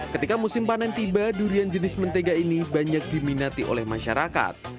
ketika musim panen tiba durian jenis mentega ini banyak diminati oleh masyarakat